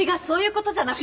そういうことじゃ。